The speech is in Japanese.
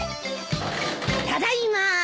ただいまー。